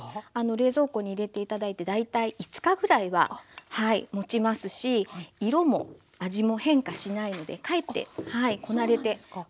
冷蔵庫に入れて頂いて大体５日ぐらいはもちますし色も味も変化しないのでかえってこなれておいしくなります。